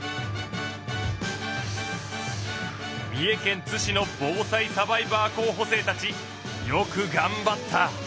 三重県津市の防災サバイバー候補生たちよくがんばった！